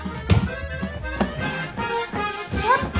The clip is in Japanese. ちょっと！